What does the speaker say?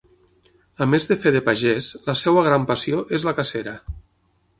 A més de fer de pagès, la seva gran passió és la cacera.